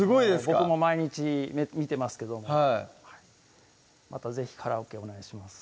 僕も毎日見てますけどもまた是非カラオケお願いします